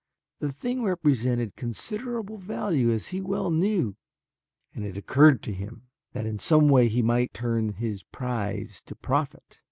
The thing represented considerable value as he well knew and it had occurred to him that in some way he might turn his prize to profit.